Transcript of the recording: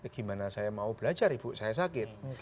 gimana saya mau belajar ibu saya sakit